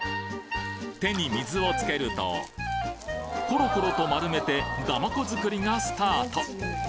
手に水をつけるところころと丸めてだまこ作りがスタート！